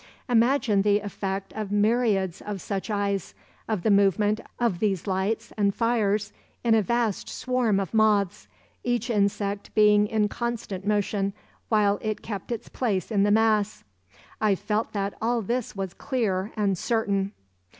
Imagine the effect of myriads of such eyes, of the movement of these lights and fires in a vast swarm of moths, each insect being in constant motion while it kept its place in the mass: I felt that all this was clear and certain.